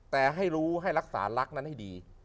แต่ให้รู้ให้รักษารักนั้นให้ดี